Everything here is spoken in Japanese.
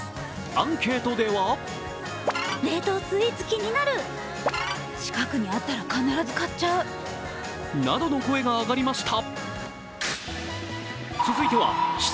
アンケートではなどの声が上がりました。